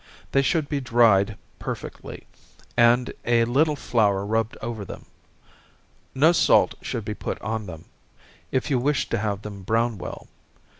They should be dried perfectly, and a little flour rubbed over them. No salt should be put on them, if you wish to have them brown well.